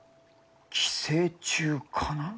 寄生虫かな？